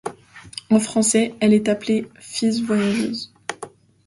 En français, elle est appelée physe voyageuse.